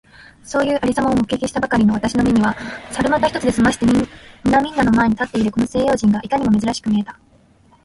そういう有様を目撃したばかりの私の眼めには、猿股一つで済まして皆みんなの前に立っているこの西洋人がいかにも珍しく見えた。